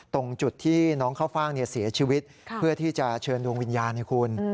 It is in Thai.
ตรงจุดที่น้องเข้าฟ่างเสียชีวิตเพื่อที่จะเชิญดวงวิญญาณให้คุณ